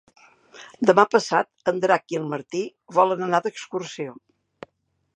Demà passat en Drac i en Martí volen anar d'excursió.